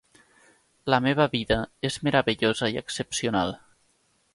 La meva vida és meravellosa i excepcional